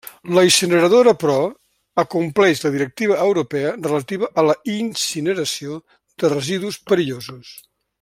La incineradora, però, acompleix la directiva europea relativa a la incineració de residus perillosos.